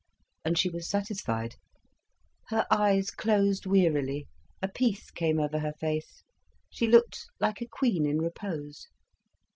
And she was satisfied. Her eyes closed wearily, a peace came over her face, she looked like a queen in repose.